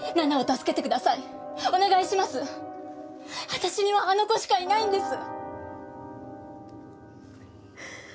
私にはあの子しかいないんです！